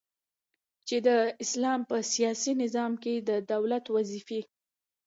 چي د اسلام په سیاسی نظام کی د دولت وظيفي.